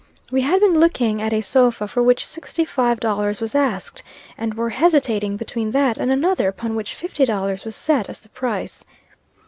We had been looking at a sofa for which sixty five dollars was asked; and were hesitating between that and another upon which fifty dollars was set as the price.